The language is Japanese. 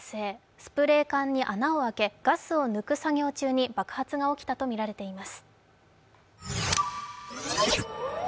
スプレー缶に穴を開けガスを抜く作業中に爆発が起きたとみられています。